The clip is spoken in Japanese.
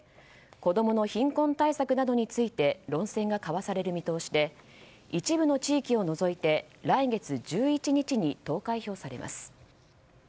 子供の貧困対策などについて論戦が交わされる見通しで一部の地域を除いて来月１１日に投開票されます。